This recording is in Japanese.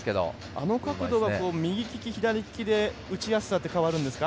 あの角度は右利き左利きで打ちやすさって変わるんですか？